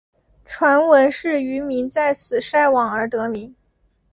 传闻是渔民在此晒网而得名。